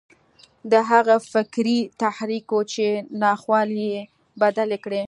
دا هغه فکري تحرک و چې ناخوالې یې بدلې کړې